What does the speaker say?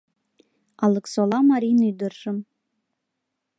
Алыксола марийын ӱдыржым